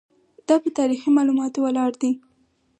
دا په تاریخي معلوماتو ولاړ دی.